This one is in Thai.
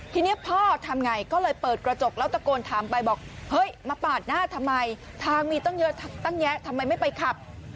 ทีนี้พ่อทำไงก็เลยเปิดกระจกแล้วตะโกนถามไปบอกเฮ้ยมาปาดหน้าทำไมทางมีตั้งเยอะตั้งแยะทำไมไม่ไปขับ